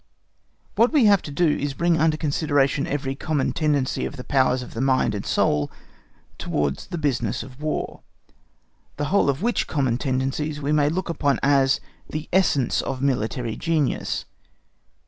What we have to do is to bring under consideration every common tendency of the powers of the mind and soul towards the business of War, the whole of which common tendencies we may look upon as the ESSENCE OF MILITARY GENIUS.